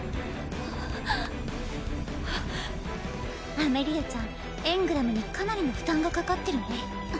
アメリアちゃんエングラムにかなりの負担がかかってるね